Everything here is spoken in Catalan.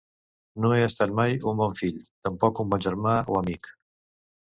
No he estat mai un bon fill, tampoc un bon germà o amic.